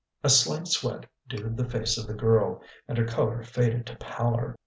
A slight sweat dewed the face of the girl, and her colour faded to pallor.